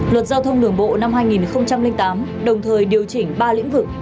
luật giao thông đường bộ năm hai nghìn tám đồng thời điều chỉnh ba lĩnh vực